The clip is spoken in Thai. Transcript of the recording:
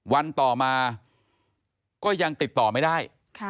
วันต่อมาก็ยังติดต่อไม่ได้